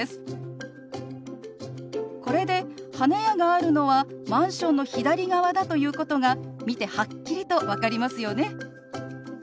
これで花屋があるのはマンションの左側だということが見てはっきりと分かりますよね。